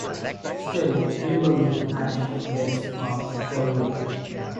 Still, people lose hands, legs, arms for real.